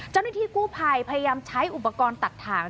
เจ้าหน้าที่กู้ภัยพยายามใช้อุปกรณ์ตัดถ่าง